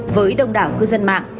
với đồng đảo cư dân mạng